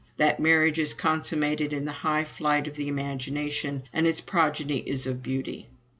That marriage is consummated in the high flight of the imagination, and its progeny is of beauty.